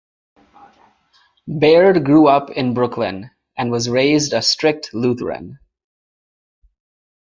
Baird grew up in Brooklyn, and was raised a strict Lutheran.